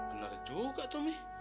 bener juga tuh mi